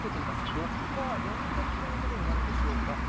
４日連続ということになるでしょうか。